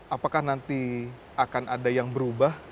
apakah nanti akan ada yang berubah